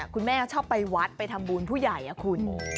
คุณแม่ก็ชอบไปวัดไปทำบูรณ์ผู้ใหญ่คุณ